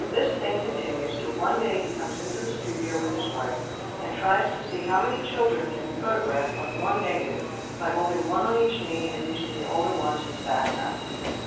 This thing continues, till one day he comes into the studio with his wife, and tries to see how many children can be photographed on one negative by holding one on each knee and using the older ones as a back ground.